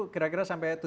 biasanya seperti itu iya